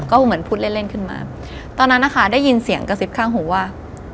ก็เหมือนพูดเล่นเล่นขึ้นมาตอนนั้นนะคะได้ยินเสียงกระซิบข้างหูว่า